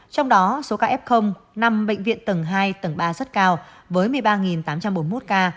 trong đó số ca f năm bệnh viện tầng hai tầng ba rất cao với một mươi ba tám trăm bốn mươi một ca